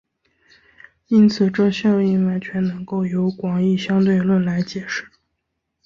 因此这效应完全能够由广义相对论来解释。